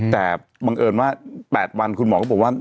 แต่บังเอิญว่า๘วันคุณหมอก็บอกว่า